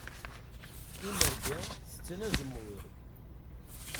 Imerga tetten azemmur.